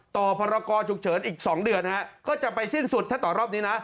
พรกรฉุกเฉินอีก๒เดือนฮะก็จะไปสิ้นสุดถ้าต่อรอบนี้นะ